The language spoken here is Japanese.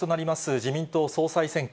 自民党総裁選挙。